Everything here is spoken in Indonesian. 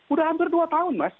udah hampir dua tahun mas